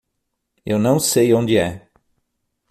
Eu não sei onde é.